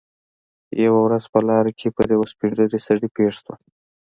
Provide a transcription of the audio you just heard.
یوه ورځ په لاره کې پر یوه سپین ږیري سړي پېښ شوم.